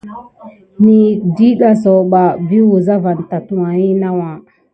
Nəyəka ɗiɗa zaouɓa vi wulza vane tuwaki nawà.